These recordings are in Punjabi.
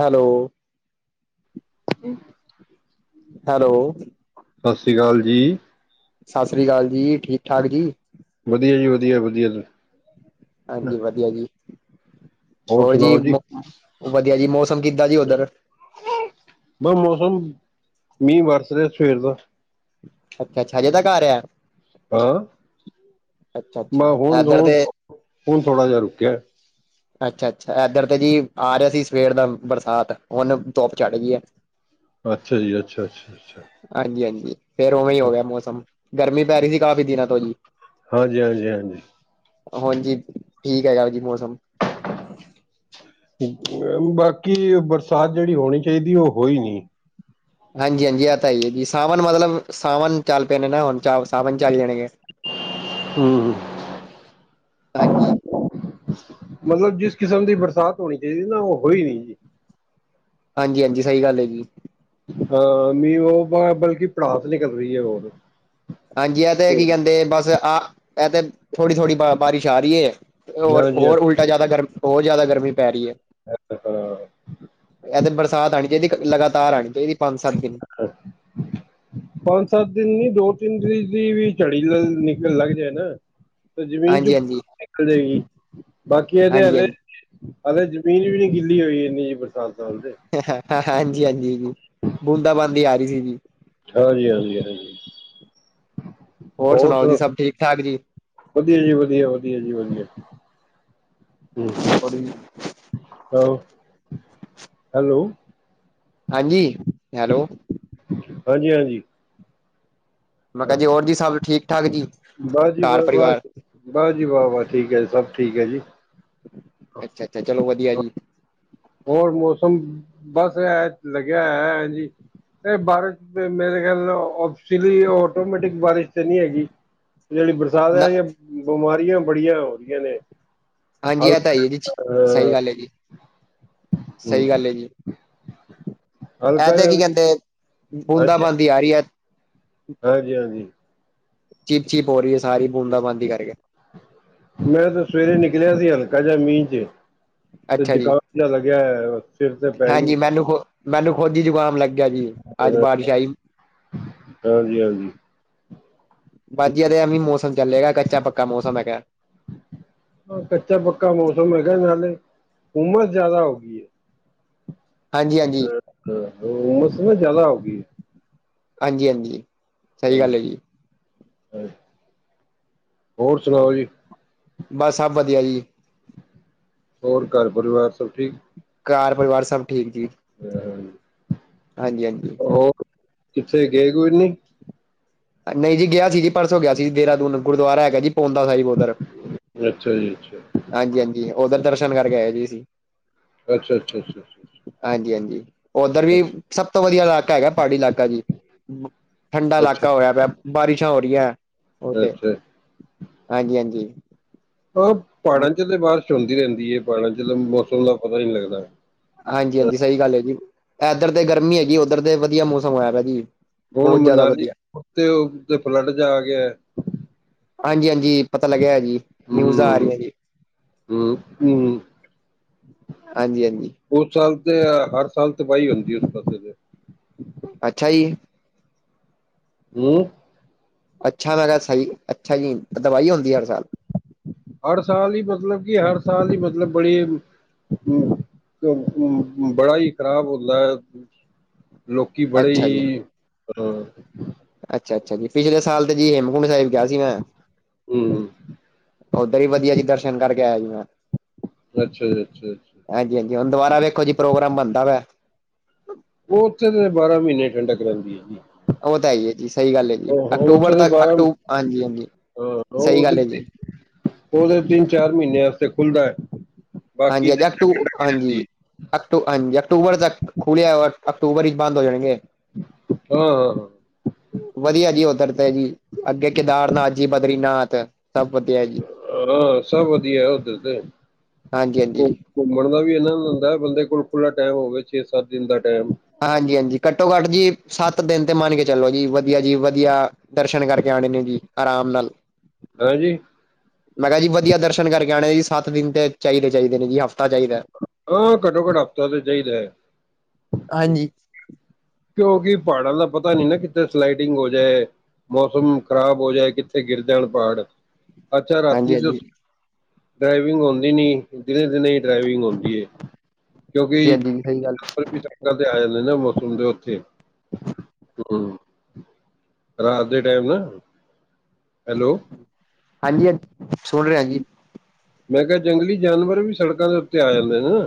ਹੈਲੋ। ਹੈਲੋ। ਸਤਿ ਸ਼੍ਰੀ ਅਕਾਲ ਜੀ। ਸਤਿ ਸ਼੍ਰੀ ਅਕਾਲ ਜੀ ਠੀਕ ਠਾਕ ਜੀ। ਵਧੀਆ ਜੀ ਵਧੀਆ ਵਧੀਆ ਜੀ। ਹਾਂਜੀ ਵਧੀਆ ਜੀ ਹੋਰ ਜੀ ਵਧੀਆ ਜੀ ਮੌਸਮ ਕਿੱਦਾਂ ਜੀ ਉੱਧਰ। ਬ ਮੌਸਮ ਮੀਂਹ ਵਰਸ ਰਿਹਾ ਸਵੇਰ ਦਾ। ਅੱਛਾ ਅੱਛਾ [unintelligible] ਦਾ ਘਰ ਆ। ਹਾਂ ਅੱਛਾ ਅੱਛਾ ਮ ਹੁਣ ਇੱਧਰ ਹੁਣ ਤੇ ਹੁਣ ਥੋੜਾ ਜਿਹਾ ਰੁਕਿਆ। ਅੱਛਾ ਅੱਛਾ ਇਧਰ ਤੇ ਜੀ ਆ ਰਿਹਾ ਸੀ ਸਵੇਰ ਦਾ ਬਰਸਾਤ ਹੁਣ ਧੁੱਪ ਚੜ ਗਈ ਐ। ਅੱਛਾ ਜੀ ਅੱਛਾ ਅੱਛਾ ਅੱਛਾ। ਹਾਂਜੀ ਹਾਂਜੀ ਫੇਰ ਉਵੇਂ ਹੀ ਹੋ ਗਿਆ ਮੌਸਮ ਗਰਮੀ ਪੈ ਰਹੀ ਸੀ ਕਾਫ਼ੀ ਦਿਨਾਂ ਤੋਂ ਜੀ। ਹਾਂਜੀ ਹਾਂਜੀ ਹਾਂਜੀ। ਹਾਂਜੀ ਠੀਕ ਹੈਗਾ ਜੀ ਮੌਸਮ। ਬਾਕੀ ਬਰਸਾਤ ਜਿਹੜੀ ਹੋਣੀ ਚਾਹੀਦੀ ਉਹ ਹੋਈ ਨਹੀਂ। ਹਾਂਜੀ- ਹਾਂਜੀ, ਇਹ ਤਾਂ ਹੀ ਹੈ ਜੀ ਸਾਵਣ ਮਤਲਬ ਸਾਵਨ ਚੱਲ ਪਏਣੇ ਨਾ ਹੁਣ ਚ ਸਾਵਨ ਚੱਲ ਜਾਣਗੇ। ਹਾਂ। ਹਾਂਜੀ। ਮਤਲਬ ਜਿਸ ਕਿਸਮ ਦੀ ਬਰਸਾਤ ਹੋਣੀ ਚਾਹੀਦੀ ਨਾ ਉਹ ਹੋਈ ਨਹੀਂ ਜੀ। ਹਾਂਜੀ -ਹਾਂਜੀ, ਸਹੀ ਗੱਲ ਐ ਜੀ। ਹਾਂ ਮੀਂਹ ਬਲਕਿ ਭੜਾਸ ਨਿਕਲ ਰਹੀ ਐ ਬਹੁਤ। ਹਾਂਜੀ ਇਹ ਤੇ ਕੀ ਕਹਿੰਦੇ ਬਸ ਆਹ ਇਹ ਤੇ ਥੋੜੀ- ਥੋੜੀ, ਬਾਰਿਸ਼ ਆ ਰਹੀ ਏ ਹੋਰ ਹਾਂਜੀ ਹਾਂ ਹੋਰ ਉਲਟਾ ਜਿਆਦਾ ਗਰਮ ਹੋਰ ਜ਼ਿਆਦਾ ਗਰਮੀ ਪੈ ਰਹੀ ਹੈ। ਇਹ ਦਿਨ ਬਰਸਾਤ ਆਣੀ ਚਾਹੀਦੀ ਲਗਾਤਾਰ ਆਣੀ ਚਾਹੀਦੀ ਪੰਜ ਸੱਤ ਦਿਨ। [unintelligible] ਪੰਜ ਸੱਤ ਦਿਨ ਨੀ ਦੋ ਤਿੰਨ ਦੀ ਵੀ ਝੜੀ ਨਿਕਲਣ ਲੱਗ ਜਾਏ ਨਾ। ਜ਼ਮੀਨ ਚ ਹਾਂਜੀ ਹਾਂਜੀ [unintelligible] ਨਿਕਲ ਜਾਏਗੀ ਬਾਕੀ ਇਹਦੇ ਹਾਂਜੀ ਹਲੇ।। ਹਾਲੇ ਜ਼ਮੀਨ ਵੀ ਨੀ ਗਿੱਲੀ ਹੋਈ ਇੰਨੀ ਜ ਬਰਸਾਤ ਤੇ। ਹਾਂਜੀ- ਹਾਂਜੀ, ਜੀ ਬੂੰਦਾ ਬਾਂਦੀ ਆ ਰਹੀ ਸੀ ਜੀ। ਹਾਂਜੀ- ਹਾਂਜੀ -ਹਾਂਜੀ ਹੋਰ ਸੁਣਾਓ ਸੁ। ਜੀ ਸਭ ਠੀਕ ਠਾਕ ਜੀ ਵਧੀਆ ਜੀ ਵਧੀਆ- ਵਧੀਆ, ਜੀ ਵਧੀਆ। ਹ, ਹੈਲੋ। ਹਾਂਜੀ। ਹੈਲੋ। ਹਾਂਜੀ -ਹਾਂਜੀ। ਮੈਂ ਕਿਹਾ ਜੀ ਹੋਰ ਜੀ ਸਭ ਠੀਕ- ਠਾਕ, ਜੀ। ਬਾਾਹ ਜੀ ਘਰ ਵਾਹ -ਵਾਹ ਪਰਿਵਾਰ -ਵਾਹ, ਜੀ ਵਾਹ -ਵਾਹ, ਠੀਕ ਹੈ ਜੀ ਸਭ ਠੀਕ ਹੈ ਜੀ। ਅੱਛਾ -ਅੱਛਾ ਚਲੋ ਵਧੀਆ ਜੀ। ਹੋਰ ਮੌਸਮ ਬਸ ਇਹ ਲੱਗਿਆ ਹੈ ਜੀ। ਇਹ ਬਾਰਿਸ਼ ਮੇਰੇ ਖਿਆਲ [unintelligible] ਆਟੋਮੈਟਿਕ ਬਾਰਿਸ਼ ਤੇ ਨਹੀਂ ਹੈਗੀ। ਜਿਹੜੀ ਬਰਸਾਤ ਨਾ ਹੈ ਬਿਮਾਰੀਆਂ ਬੜੀਆਂ ਹੋ ਰਹੀਆਂ ਨੇ। ਹਾਂਜੀ ਇਹ ਤਾਂ ਹੀ ਏ ਜੀ ਹਲ ਸਹੀ ਗੱਲ ਏ ਜੀ। ਸਹੀ ਹੂੰ ਗੱਲ ਏ ਜੀ। ਇਹ ਹਲਕਾ ਤੇ ਜਿਹਾ ਕੀ ਕਹਿੰਦੇ ਬੂੰਦਾ- ਹਾਂਜੀ ਬਾਂਦੀ ਆ ਰਹੀ ਐ। ਹਾਂਜੀ -ਹਾਂਜੀ। ਚਿਪ -ਚਿਪ ਹੋ ਰਹੀ ਹੈ ਸਾਰੀ, ਬੂੰਦਾ -ਬਾਂਦੀ ਦੀ ਕਰਕੇ। ਮੈਂ ਤੇ ਸਵੇਰੇ ਨਿਕਲਿਆ ਸੀ, ਹਲਕਾ ਜ ਮੀਂਹ 'ਚ। ਤੇ ਅੱਛਾ ਜੀ ਜ਼ੁਕਾਮ ਜਾ ਲੱਗਿਆ ਹੋਇਆ ਹੈ। ਸਿਰ ਤੇ ਪੈ ਗਈ ਹਾਂਜੀ ਮੈਨੂੰ ਖੁ, ਮੈਨੂੰ ਖੁਦ ਹੀ ਜੁਕਾਮ ਲੱਗਿਆ ਜੀ, ਅੱਜ ਬਾਰਿਸ਼ ਆਈ। ਹਾਂਜੀ, ਹਾਂਜੀ। ਬਸ ਜੀ ਐਵੇ ਵੀ ਮੌਸਮ ਚੱਲੇਗਾ, ਕੱਚਾ ਪੱਕਾ ਮੌਸਮ ਹੈਗਾ। ਹਾਂ ਕੱਚਾ ਪੱਕਾ ਮੌਸਮ ਹੈਗਾ ਹੈ, ਨਾਲੇ ਉਮਰ ਜਿਆਦਾ ਹੋ ਗਈ ਹੈ। ਹਾਂਜੀ -ਹਾਂਜੀ। ਹੁੰਮਸ ਨਾ ਜ਼ਿਆਦਾ ਹੋਗੀ। ਹਾਂਜੀ- ਹਾਂਜੀ। ਸਹੀ ਗੱਲ ਹੈ ਜੀ ਹ, ਹੋਰ ਸੁਣਾਓ ਜੀ। ਬਸ ਸਭ ਵਧੀਆ ਜੀ। ਹੋਰ ਘਰ ਪਰਿਵਾਰ ਸਭ ਠੀਕ। ਘਰ ਪਰਿਵਾਰ ਸਭ ਠੀਕ ਜੀ। ਹ। ਹਾਂਜੀ -ਹਾਂਜੀ। ਹੋਰ? ਕਿੱਥੇ ਗਏ ਕੋਈ ਨੀ। ਨਹੀਂ ਜੀ ਗਿਆ ਸੀ ਜੀ ਪਰਸੋਂ ਗਿਆ ਸੀ ਜੀ ਦੇਹਰਾਦੂਨ, ਗੁਰਦੁਆਰਾ ਹੈਗਾ ਜੀ ਪਾਉਂਟਾ ਸਾਹਿਬ ਉੱਧਰ। ਅੱਛਾ ਜੀ ਅੱਛਾ ਹਾਂਜੀ- ਹਾਂਜੀ, ਉਧਰ ਦਰਸ਼ਨ ਕਰਕੇ ਆਏ ਜੀ ਅਸੀ। ਅੱਛਾ ਅੱਛਾ ਅੱਛਾ ਅੱਛਾ ਹਾਂਜੀ -ਹਾਂਜੀ। ਉੱਧਰ ਵੀ, ਸਭ ਤੋਂ ਵਧੀਆ ਇਲਾਕਾ ਹੈਗਾ ਪਹਾੜੀ ਇਲਾਕਾ ਜੀ, ਠੰਡਾ ਅੱਛਾ ਇਲਾਕਾ ਅੱਛਾ ਹੋਇਆ ਪਿਆ ਬਾਰਿਸ਼ਾਂ ਹੋ ਰਹੀਆਂ, ਉਹ ਤੇ, ਅੱਛਾ। ਹਾਂਜੀ- ਹਾਂਜੀ। ਆਹ, ਪਹਾੜਾਂ 'ਚ ਤੇ ਬਾਰਿਸ਼ ਹੁੰਦੀ ਰਹਿੰਦੀ ਹੈ, ਪਹਾੜਾਂ 'ਚ ਤਾਂ ਮੌਸਮ ਦਾ ਪਤਾ ਹੀ ਨਹੀਂ ਲੱਗਦਾ ਹਾਂਜੀ ਹਾਂ, -ਹਾਂਜੀ, ਸਹੀ ਗੱਲ ਹੈ ਜੀ। ਇੱਧਰ ਤੇ ਗਰਮੀ ਹੈ ਜੀ, ਉੱਧਰ ਤੇ ਵਧੀਆ ਮੌਸਮ ਹੋਇਆ ਪਿਆ ਜੀ ਹੁਣ ਬਹੁਤ ਜ਼ਿਆਦਾ ਮਨਾਲੀ, ਵਧੀਆ ਤੇ ਫਲਡ 'ਚ ਆ ਗਿਆ ਹਾਂਜੀ -ਹਾਂਜੀ, ਪਤਾ ਲੱਗਿਆ ਜੀ। ਨਿਊਜ਼ ਆ ਰਹੀਆਂ ਜੀ। ਹਮਮ -ਹਮਮ। ਹਾਂਜੀ- ਹਾਂਜੀ। ਉਸ ਸਾਲ ਤੇ, ਹਰ ਸਾਲ ਤਬਾਹੀ ਹੁੰਦੀ ਹੈ ਉਸ ਪਾਸੇ ਤੇ ਅੱਛਾ ਜੀ। ਹਮ ਅੱਛਾ! ਮੈਂ ਕਿਹਾ ਸਹੀ, ਅੱਛਾ ਜੀ, ਤਬਾਈ ਹੁੰਦੀ ਹਰ ਸਾਲ ਹਰ ਸਾਲ ਹੀ ਮਤਲਬ ਕਿ ਹਰ ਸਾਲ ਹੀ ਮਤਲਬ ਬੜੀ ਹਮ! ਬੜਾ ਹੀ ਖ਼ਰਾਬ ਹੁੰਦਾ ਹੈ ਲੋਕੀ ਬੜੇ ਹੀ, ਅ ਅੱਛਾ- ਅੱਛਾ ਜੀ, ਪਿਛਲੇ ਸਾਲ ਤੇ ਜੀ ਹੇਮਕੁੰਟ ਸਾਹਿਬ ਗਿਆ ਸੀ ਮੈਂ। ਹੂੰ ਓਧਰ ਹੀ ਵਧੀਆ ਜੀ ਦਰਸ਼ਨ ਕਰਕੇ ਆਇਆ ਜੀ ਮੈਂ। ਅੱਛਾ ਜੀ ਅੱਛਾ ਹਾਂਜੀ -ਹਾਂਜੀ, ਹੁਣ ਦੁਬਾਰਾ ਵੇਖੋ ਜੀ ਪ੍ਰੋਗਰਾਮ ਬਣਦਾ ਵਾ ਉਹ ਉੱਥੇ ਤੇ ਬਾਰਾਂ ਮਹੀਨੇ ਠੰਡਕ ਰਹਿੰਦੀ ਹੈ ਜੀ। ਉਹ ਤਾਂ ਹੈ ਹੀ ਹੈ ਜੀ, ਸਹੀ ਗੱਲ ਹੈ ਜੀ ਉਹ ਅਕਤੂਬਰ ਉੱਥੇ ਤੇ ਤੱਕ ਬਾਰਾਂ ਹਾਂ ਅਕੂ ਹਾਂਜੀ -ਹਾਂਜੀ ਸਹੀ ਗੱਲ ਹੈ ਉਹ ਜੀ। ਉਹਦੇ ਤਿੰਨ -ਚਾਰ ਮਹੀਨੇ ਵਾਸਤੇ ਖੁੱਲ੍ਹਦਾ ਹੈ। ਬਾਕੀ ਹਾਂਜੀ ਤੇ ਅਜ ਟੂ ਠੰਡ ਲੱਗੀ ਹਾਂਜੀ ਰਹਿੰਦੀ ਹੈ ਅਕ ਹਾਂਜੀ, ਅਕਤੂਬਰ ਤੱਕ ਖੁੱਲ੍ਹਿਆ, ਅਕਤੂਬਰ ਹੀ ਬੰਦ ਹੋ ਜਾਣਗੇ। ਹਹਹਹ ਵਧੀਆ ਜੀ, ਉਧਰ ਤੇ ਜੀ, ਅੱਗੇ ਕੇਦਾਰਨਾਥ ਜੀ, ਬਦਰੀਨਾਥ ਸਭ ਵਧੀਆ ਜੀ। ਹਾਂ, ਸਭ ਵਧੀਆ ਉੱਧਰ ਤੇ। ਹਾਂਜੀ-ਹਾਂਜੀ। ਘੁ- ਘੁੰਮਣ ਦਾ ਵੀ, ਇਹਨਾ ਹੁੰਦਾ ਬੰਦੇ ਕੋਲ ਖੁੱਲ੍ਹਾ ਟਾਈਮ ਹੋਵੇ ਛੇ- ਸੱਤ ਦਿਨ ਦਾ ਟਾਈਮ। ਹਾਂਜੀ- ਹਾਂਜੀ, ਘੱਟੋ -ਘੱਟ ਜੀ, ਸੱਤ ਦਿਨ ਤੇ ਮੰਨ ਕੇ ਚਲੋ ਜੀ, ਵਧੀਆ ਜੀ ਵਧੀਆ। ਦਰਸ਼ਨ ਕਰਕੇ ਆਉਣੇ ਨੇ ਜੀ, ਆਰਾਮ ਨਾਲ। ਹਾਂਜੀ। ਮੈਂ ਕਿਹਾ ਜੀ ਵਧੀਆ ਦਰਸ਼ਨ ਕਰਕੇ ਆਉਣੇ ਜੀ ਸੱਤ ਦਿਨ ਤੇ ਚਾਹੀਦੇ ਚਾਹੀਦੇ ਨੇ ਜੀ, ਹਫ਼ਤਾ ਚਾਹੀਦਾ ਹੈ। ਹਾਂ ਘੱਟੋ ਘੱਟ ਹਫ਼ਤਾ ਤਾਂ ਚਾਹੀਦਾ ਹੈ। ਹਾਂਜੀ ਕਿਉਂਕਿ ਪਹਾੜਾਂ ਦਾ ਪਤਾ ਨੀ ਨਾ, ਕਿਥੇ ਸਲਾਈਡਿੰਗ ਹੋ ਜਾਏ। ਮੌਸਮ ਖ਼ਰਾਬ ਹੋ ਜਾਏ ਕਿੱਥੇ ਗਿਰ ਜਾਣ ਪਹਾੜ। ਅੱਛਾ, ਹਾਂਜੀ ਰਾਤੀ ਦੇ ਹਾਂਜੀ ਡਰਾਈਵਿੰਗ ਹੁੰਦੀ ਨੀ, ਦਿਨੇ- ਦਿਨੇ। ਡਰਾਈਵਿੰਗ ਹੁੰਦੀ ਹੈ ਹਾਂਜੀ ਕਿਉਂਕਿ। ਹਾਂਜੀ ਜੀ ਸਹੀ ਗੱਲ ਤੇ ਆ ਜਾਂਦੇ ਨਾ ਮੌਸਮ ਦੇ ਉੱਥੇ, ਹਮ। ਰਾਤ ਦੇ ਟਾਈਮ ਨਾ, ਹੈਲੋ। ਹਾਂਜੀ ਹਾਂਜੀ, ਹਾਂ ਸੁਣ ਰਿਹਾ ਜੀ। ਮੈਂ ਕਿਹਾ ਜੰਗਲੀ ਜਾਨਵਰ ਵੀ, ਸੜਕਾਂ ਦੇ ਉੱਤੇ ਆ ਜਾਂਦੇ ਨੇ ਨਾ।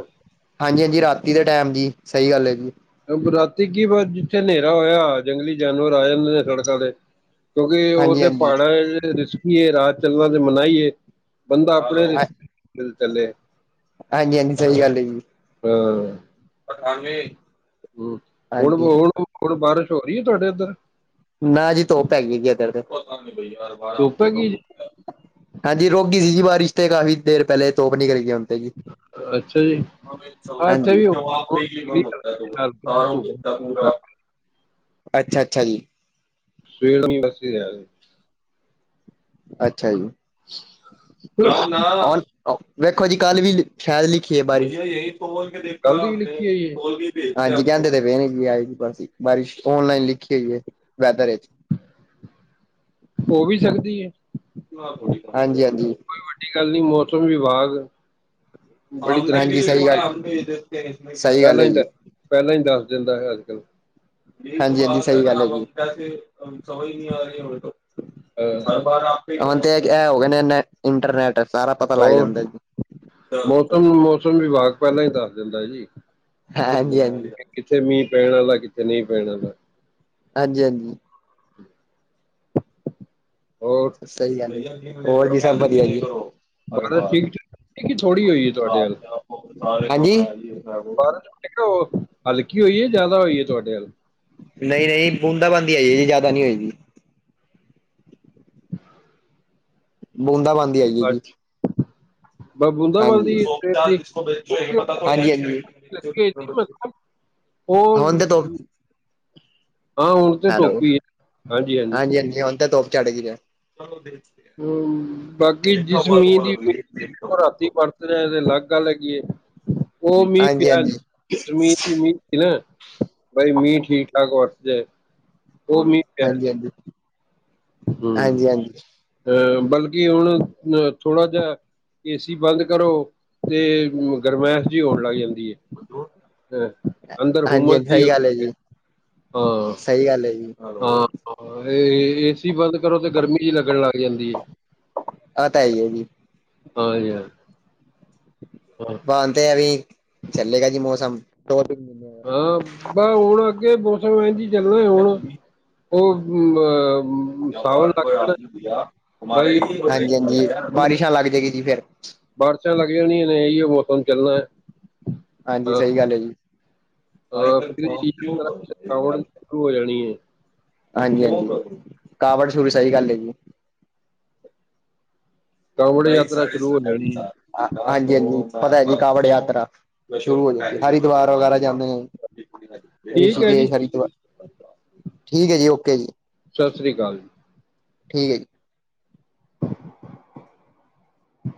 ਹਾਂਜੀ -ਹਾਂਜੀ, ਰਾਤੀ ਦੇ ਟਾਈਮ ਦਿ ਸਹੀ ਗੱਲ ਹੈ ਜੀ। ਰਾਤੀ ਕੀ ਬਸ ਜਿੱਥੇ ਹਨੇਰਾ ਹੋਇਆ ਜੰਗਲੀ ਜਾਨਵਰ ਆ ਜਾਂਦੇ ਨੇ ਸੜਕਾਂ ਤੇ। ਕਿਉਂਕਿ ਉਹ ਹਾਂਜੀ ਤੇ ਹਾਂਜੀ ਪਹਾੜਾਂ ਤੇ ਰਿਸਕੀ, ਏ ਰਾਤ ਚੱਲਣਾ ਤੇ ਮਨਾਹੀ ਏ। ਬੰਦਾ, ਆਪਣੇ ਰਿਸਕ ਤੇ ਚੱਲੇ। ਹਾਂਜੀ ਹਾਂਜੀ, ਸਹੀ ਗੱਲ ਹੈ ਜੀ। ਹਾਂ। ਆਥਣਵੇਂ। ਹੂੰ ਹੁਣ ਹੁਣ ਹੁਣ, ਬਾਰਿਸ਼ ਹੋ ਰਹੀ ਹੈ ਤੁਹਾਡੇ ਉੱਧਰ। ਨਾ ਜੀ ਧੁੱਪ ਹੈਗੀ ਜੀ ਏਧਰ ਤੇ। ਧੁੱਪ ਹੈਗੀ ਜੀ ਹਾਂਜੀ ਰੁਕ ਗਈ ਸੀ ਜੀ ਬਾਰਿਸ਼ ਤੇ, ਕਾਫ਼ੀ ਦੇਰ ਪਹਿਲੇ ਧੁੱਪ ਨਿਕਲੀਏ ਹੈ। ਅੱਛਾ। ਜੀ ਹਾਂ ਇੱਥੇ ਹਾਂਜੀ। ਵੀ ਧੁੱਪ ਅੱਛਾ ਅੱਛਾ ਜੀ। ਸ਼ਿਵਮ ਐਂਡ੍ਰਿਸਤੀ ਤੇ ਆਜੋ। ਅੱਛਾ ਜੀ ਨਾ ਨਾ। ਵੇਖੋ ਜੀ ਕੱਲ ਵੀ ਸ਼ਾਇਦ ਲਿਖੀ ਹੈ ਬਾਰਿਸ਼। ਕੱਲ ਦੀ ਵੀ ਲਿਖੀ ਹੋਈ ਹੈ ਹਾਂਜੀ ਕਹਿੰਦੇ ਤੇ ਪਏ ਨੇ ਜੀ ਆਏਂਗੀ ਬਾਰਿਸ਼, ਓਨਲਾਈਨ ਲਿਖੀ ਹੋਈ ਹੈ ਵੈਦਰ ਵਿੱਚ। ਹੋ, ਵੀ ਸਕਦੀ ਹੈ। ਹਾਂਜੀ, ਹਾਂਜੀ। ਕੋਈ ਵੱਡੀ ਗੱਲ ਨੀ ਮੌਸਮ ਵਿਭਾਗ। ਬੜੀ ਤਰੱਕੀ ਹਾਂਜੀ ਸਹੀ ਗੱਲ ਹ, ਸਹੀ ਗੱਲ ਪਹਿਲਾਂ ਹੈ ਹੀ ਜੀ। ਪਹਿਲਾਂ ਹੀ ਦੱਸ ਦਿੰਦਾ ਹੈ, ਅੱਜ ਕੱਲ੍ਹ। ਹਾਂਜੀ ਹਾਂਜੀ ਸਹੀ ਗੱਲ ਹੈ। ਅਹ ਹੁਣ ਤੇ ਇਹ ਹੋ ਗਏ ਨੇ, ਨੈੱਟ ਇੰਟਰਨੈਟ। ਸਾਰਾ ਪਤਾ ਲੱਗ ਹੋਰ ਜਾਂਦਾ ਜੀ ਮੌਸਮ ਮੌਸਮ, ਵਿਭਾਗ ਪਹਿਲਾਂ ਹੀ ਦੱਸ ਦਿੰਦਾ ਜੀ। ਹਾਂ, ਹਾਂਜੀ ਹਾਂਜੀ। ਕਿੱਤੇ ਮੀਂਹ ਪੈਣ ਵਾਲਾ, ਕਿੱਤੇ ਨਹੀਂ ਪੈਣ ਵਾਲਾ। ਹਾਂਜੀ, ਹਾਂਜੀ। ਹੋਰ। ਸਹੀ ਗੱਲ ਹੈ, ਹੋਰ ਜੀ ਸਭ ਵਧੀਆ ਜੀ। ਬਾਰਿਸ਼ ਠੀਕ ਠਾਕ ਕਿ ਥੋੜ੍ਹੀ ਹੋਈ ਹੈ ਤੁਹਾਡੇ ਵੱਲ ਹਾਂਜੀ। ਇੱਕ ਉਹ ਹਲਕੀ ਹੋਈ ਹੈ, ਜ਼ਿਆਦਾ ਹੋਈ ਏ ਤੁਹਾਡੇ ਵੱਲ। ਨਹੀਂ ਨਹੀਂ ਬੂੰਦਾ ਬੂੰਦੀ ਆਈ ਹੈ, ਜੀ ਜ਼ਿਆਦਾ ਨਹੀਂ ਹੋਈ ਜੀ। ਬੂੰਦਾ, ਬਾਂਦੀ ਆਈ ਏ ਜੀ! ਬਸ ਬੂੰਦਾ ਬਾਦੀ ਹਾਂਜੀ ਸਵੇਰ ਦੀ ਹਾਂਜੀ ਹਾਂਜੀ ਲੱਗੀ ਹੋਈ ਸੀ। ਹੋਰ। ਹੁਣ ਤੇ ਧੁੱਪ ਹੈਲੋ ਹਾਂਜੀ, ਹਾਂਜੀ ਹੁਣ ਤੇ ਧੁੱਪ ਚੜ ਗਈ ਹੈ। ਹੂੰ, ਬਾਕੀ ਜਿਸ ਮੀਂਹ ਦੀਂ ਪਈ ਰਾਤੀ। ਵਰਤ ਰਿਹਾ ਤੇ, ਅਲੱਗ ਗੱਲ ਹੈਗੀ ਉਹ ਮੀਂਹ ਹਾਂਜੀ ਪਿਆ ਹਾਂਜੀ ਜਮੀਨ ਜਮੀਨ। ਨਾ ਬਾਈ, ਮੀ ਠੀਕ- ਠਾਕ ਵਰਤਦੇ। ਹੋਰ ਹਾਂਜੀ, ਹਾਂਜੀ! ਹੂ ਹਾਂਜੀ ਹਾਂਜੀ ਅਹ, ਬਲ ਕਿ ਹੁਣ ਆ, ਥੋੜਾ ਜਿਹਾ! ਏ ਸੀ ਬੰਦ ਕਰੋ, ਤੇ ਗਰਮਾਇਸ਼ ਜਿਹੀ ਹੋਣ ਲੱਗ ਜਾਂਦੀ ਹੈ। ਹਾਂ, ਅੰਦਰ ਹੁੰਮਸ ਜੀ ਉਹ। ਇਹ ਲੋ ਜੀ। ਹਾਂ----ਹਾਂ। ਸਹੀ ਗੱਲ ਹੈ ਜੀ ਹਾਂ, ਇਹ ਏਸੀ ਬੰਦ ਕਰੋ ਤੇ ਗਰਮੀ ਜੀ ਲੱਗਣ ਲੱਗ ਜਾਂਦੀ ਹੈ। ਇਹ ਤਾਂ ਹੈਂ ਹੀ ਹੈ ਜੀ। ਹਾਂ ਜੀ ਹਾਂ। ਬਣ ਤੇ ਐਵੀਂ ਚੱਲੇਗਾ ਜੀ ਮੌਸਮ ਟੋਪਿਕ। ਹਾਂ, ਬਸ ਹੁਣ ਅੱਗੇ ਮੌਸਮ ਇੰਝ ਹੀ ਚੱਲਣਾ ਹੁਣ। ਉਹ ਅ ਸਾਵਣ ਲੱਗ, ਹੋਰ ਜਾਣਾ ਬਾਈ। ਹਾਂਜੀ ਹਾਂਜੀ ਬਾਰਿਸ਼ਾਂ ਲੱਗ ਜਾਏਗੀ ਜੀ ਫੇਰ। ਬਾਰਿਸ਼ਾਂ ਲੱਗ ਜਾਣੀਆਂ ਨੇ ਇਹੀੳ ਹੀ ਮੌਸਮ ਚੱਲਣਾ ਹੈ। ਹਾਂਜੀ ਸਹੀ ਗੱਲ ਹੈ ਜੀ। ਮਾਈਕਲ ਹਾਂ ਫਿਰ ਕਨਫੋਰਮ ਇਹੀ ਕਿਉਂ ਯਾਤਰਾ ਭਰਦੇ ਕਾਂਵੜ ਮਾਈਕਲ। ਸ਼ੁਰੂ ਹੋ ਜਾਣੀ ਹੈ ਹਾਂਜੀ-ਹਾਂਜੀ, ਕਾਵੜ ਸ਼ੁਰ ਸਹੀ ਗੱਲ ਹੈ ਜੀ। ਕਾਵੜ ਯਾਤਰਾ ਸ਼ੁਰੂ ਹੋਣ ਵਾਲੀ ਹੈ। ਹਾਂਜੀ, ਹਾਂਜੀ ਪਤਾ ਹੈ ਜੀ ਕਾਵੜ ਯਾਤਰਾ ਸ਼ੁਰੂ ਹੋ, ਜਾਂ ਹਰਿਦੁਵਾਰ ਵਗੈਰਾ ਜਾਂਦੇ ਆ! ਠੀਕ ਹੈ ਜੀ ਰਿਸ਼ਕੇਸ਼, ਹਰਿਦੁਵਾਰ ਠੀਕ ਹੈ! ਜੀ ਓਕੇ ਜੀ। ਸਤਿ ਸ਼੍ਰੀ ਅਕਾਲ ਜੀ। ਠੀਕ ਜੀ।